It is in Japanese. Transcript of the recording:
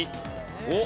おっ！